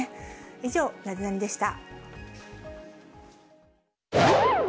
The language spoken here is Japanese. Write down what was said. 以上、ナゼナニっ？でした。